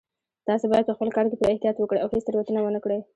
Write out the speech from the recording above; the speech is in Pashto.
تاسو باید په خپل کار کې پوره احتیاط وکړئ او هیڅ تېروتنه ونه کړئ